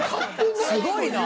すごいな。